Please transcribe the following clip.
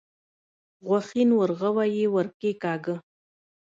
غوښين ورغوی يې ور کېکاږه.